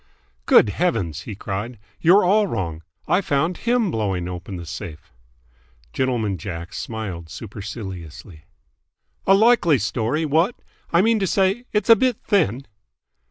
"Good Heavens!" he cried. "You're all wrong. I found him blowing open the safe!" Gentleman Jack smiled superciliously. "A likely story, what! I mean to say, it's a bit thin!"